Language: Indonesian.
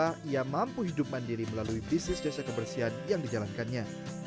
karena ia mampu hidup mandiri melalui bisnis jasa kebersihan yang dijalankannya